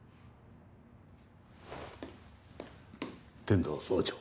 天堂総長。